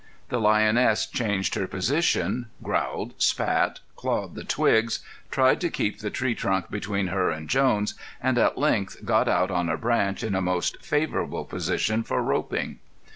The lioness changed her position, growled, spat, clawed the twigs, tried to keep the tree trunk between her and Jones, and at length got out on a branch in a most favorable position for roping.